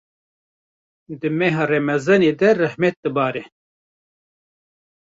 di meha Remezanê de rehmet dibare.